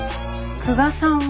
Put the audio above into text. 久我さんは？